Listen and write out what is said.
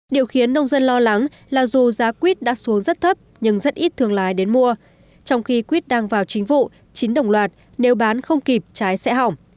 điều khiến nông dân lo lắng là dù giá quýt đã xuống rất thấp nhưng rất ít thương lái đến mua trong khi quýt đang vào chính vụ chín đồng loạt nếu bán không kịp trái sẽ hỏng